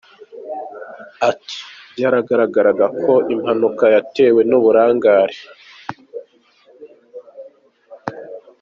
Ati” Byaragaragaraga ko impanuka yatewe n’uburangare.